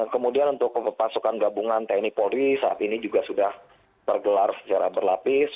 kemudian untuk pasukan gabungan tni polri saat ini juga sudah tergelar secara berlapis